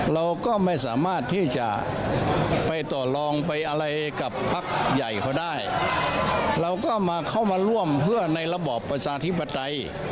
เราก็ไม่สามารถที่จะไปต่อลองไปอะไรกับพักใหญ่เขาได้เราก็มาเข้ามาร่วมเพื่อในระบอบประชาธิปไตย